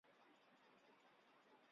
站区位于高苑科技大学大门口处。